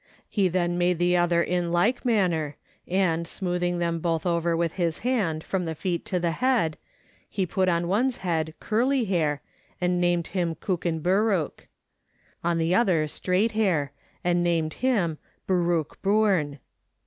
He then made the other in like manner, and, smoothing them both over with his hand from the feet to the head, he put on one's head curly hair and named him Kookinberrook ; on the other straight hair and named him Berrookboorn.